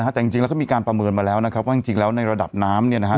แต่จริงแล้วก็มีการประเมินมาแล้วนะครับว่าจริงแล้วในระดับน้ำเนี่ยนะฮะ